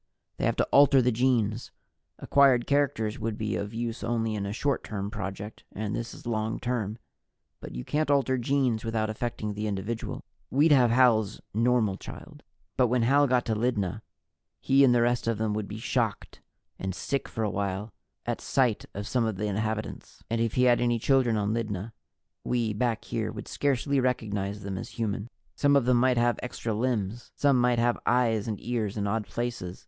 They have to alter the genes acquired characters would be of use only in a short term project, and this is long term. But you can't alter genes without affecting the individual. We'd have Hal's normal child. But when Hal got to Lydna, he and the rest of them would be shocked and sick for a while at sight of some of the inhabitants. And if he had any children on Lydna, we, back here, would scarcely recognize them as human. Some of them might have extra limbs. Some might have eyes and ears in odd places.